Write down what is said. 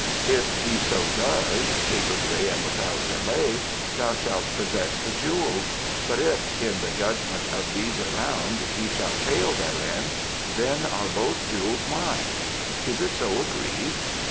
If he so does, capably and without delay, thou shalt possess the jewels. But if, in the judgment of these around, he shall fail therein, then are both jewels mine. Is it so agreed?"